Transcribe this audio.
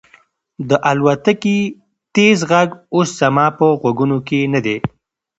د الوتکې تېز غږ اوس زما په غوږونو کې نه دی.